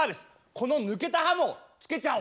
この抜けた歯もつけちゃおう！